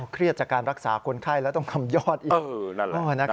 เครียดจากการรักษาคนไข้แล้วต้องทำยอดอีก